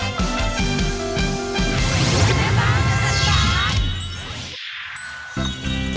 กระทะลอด